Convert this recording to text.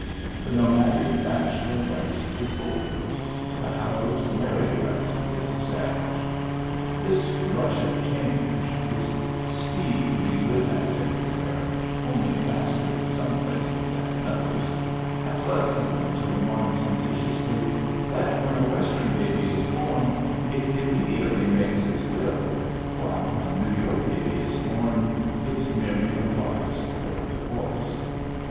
The nomadic, bachelor West is over, the housed, married West is established. This rush of change, this speed we live at everywhere (only faster in some places than in others) has led some one to remark sententiously that when a Western baby is bom, it immediately makes its will, while when a New York baby is born, it merely applies for a divorce.